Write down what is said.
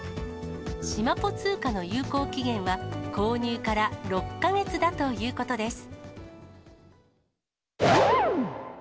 しまぽ通貨の有効期限は、購入から６か月だということです。